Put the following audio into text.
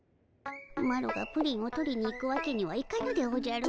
マロがプリンを取りに行くわけにはいかぬでおじゃる。